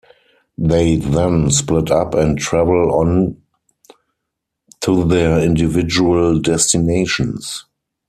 They then split-up and travel on to their individual destinations.